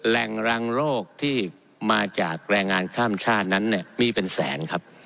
แรงรังโรคที่มาจากแรงงานข้ามชาตินั้นเนี่ยมีเป็นแสนครับ